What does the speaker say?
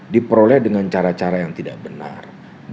diperoleh dengan cara cara yang tidak benar